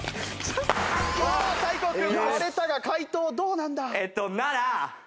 大光君割れたが解答どうなんだ？